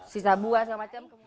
sisa buah segala macam